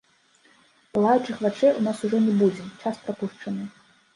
Палаючых вачэй у нас ужо не будзе, час прапушчаны.